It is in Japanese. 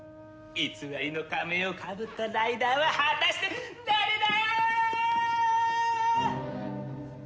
偽りの仮面をかぶったライダーは果たして誰だ！？